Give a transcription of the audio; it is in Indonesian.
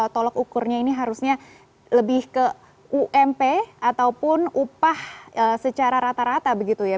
tolok ukurnya ini harusnya lebih ke ump ataupun upah secara rata rata begitu ya